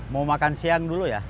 mau makan siang dulu ya